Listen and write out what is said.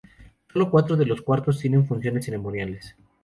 Sólo cuatro de los cuartos tienen funciones ceremoniales.